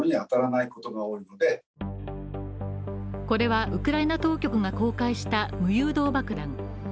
これはウクライナ当局が公開した無誘導爆弾。